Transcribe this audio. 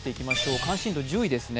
関心度１０位です。